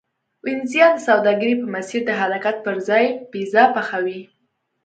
وینزیان د سوداګرۍ په مسیر د حرکت پرځای پیزا پخوي